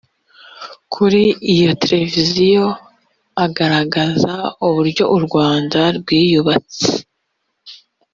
kuri iyo televiziyo agaragaza uburyo u rwanda rwiyubatse